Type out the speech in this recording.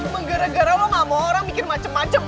menggara gara lo gak mau orang mikir macem macem sama lo